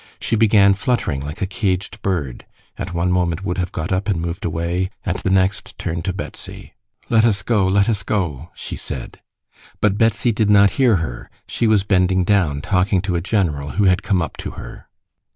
She began fluttering like a caged bird, at one moment would have got up and moved away, at the next turned to Betsy. "Let us go, let us go!" she said. But Betsy did not hear her. She was bending down, talking to a general who had come up to her.